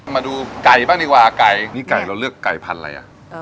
มาดูไก่บ้างดีกว่าไก่นี่ไก่เราเลือกไก่พันธุ์อะไรอ่ะ